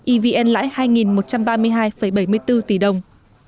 evn lãi hai một trăm ba mươi hai bảy mươi bốn tỷ đồng